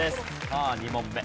さあ２問目。